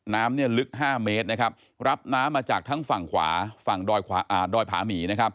น้ำลึก๕เมตรรับน้ำมาจากทั้งฝั่งขวาฝั่งดอยผามี